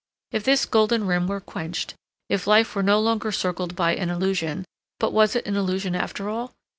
If this golden rim were quenched, if life were no longer circled by an illusion (but was it an illusion after all?)